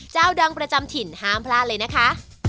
เจ้าดังประจำถิ่นห้ามพลาดเลยนะคะ